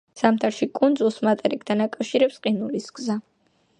ზამთარში კუნძულს მატერიკთან აკავშირებს ყინულის გზა.